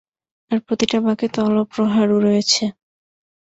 আর প্রতিটা বাঁকে তলপ্রহার রয়েছে।